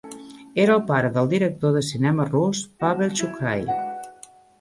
Era el pare del director de cinema rus Pavel Chukhrai.